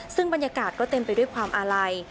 ซึ่งบรรยากาศก็เต็มไปด้วยความอาลัย